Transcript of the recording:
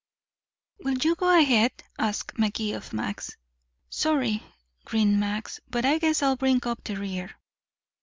"Will you go ahead?" asked Magee of Max. "Sorry," grinned Max, "but I guess I'll bring up the rear."